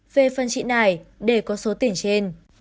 về phần chị này để có số tiền trên